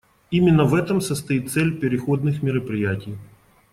Именно в этом состоит цель переходных мероприятий.